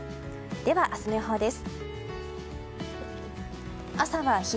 では、明日の予報です。